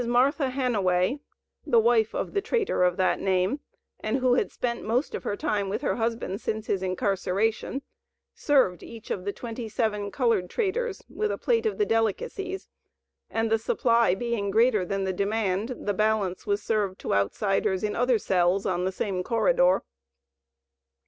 Martha Hanaway, the wife of the "traitor" of that name, and who had spent most of her time with her husband since his incarceration, served each of the twenty seven colored "traitors" with a plate of the delicacies, and the supply being greater than the demand, the balance was served to outsiders in other cells on the same corridor.